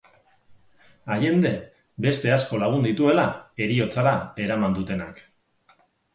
Allende, beste asko lagun dituela, heriotzara eraman dutenak.